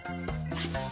よし！